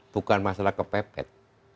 bukan masalah kepepet